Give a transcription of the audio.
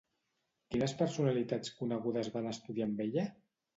Quines personalitats conegudes van estudiar amb ella?